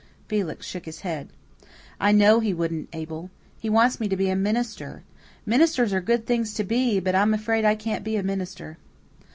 Felix shook his head. "I know he wouldn't, Abel. He wants me to be a minister. Ministers are good things to be, but I'm afraid I can't be a minister."